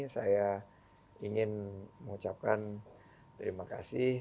saya ingin mengucapkan terima kasih